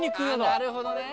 なるほどね！